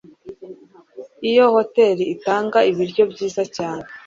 Iyo hoteri itanga ibiryo byiza cyane